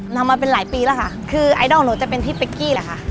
ทำมาเป็นหลายปีแล้วค่ะคือไอดอลหนูจะเป็นพี่เป๊กกี้แหละค่ะ